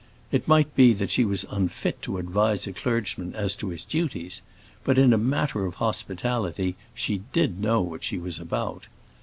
It might be that she was unfit to advise a clergyman as to his duties, but in a matter of hospitality she did know what she was about.